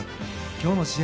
今日の試合